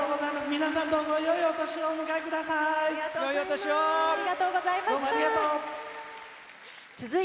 皆さん、どうぞよいお年をお迎えください。